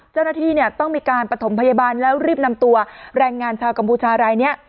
เจ้าหน้าที่เนี่ยต้องมีการประถมพยาบาลแล้วรีบนำตัวแรงงานชาวกัมพูชารายนี้